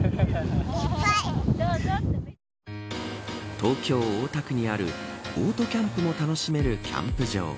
東京、大田区にあるオートキャンプも楽しめるキャンプ場。